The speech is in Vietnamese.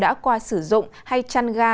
đã qua sử dụng hay chăn ga